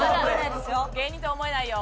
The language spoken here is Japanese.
芸人とは思えないですよ